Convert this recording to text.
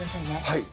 はい。